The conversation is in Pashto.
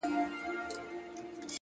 مهرباني زړونه خپلوي.!